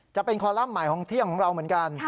คอลัมป์ใหม่ของเที่ยงของเราเหมือนกัน